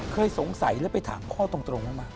เคยสงสัยแล้วไปถามพ่อตรงมา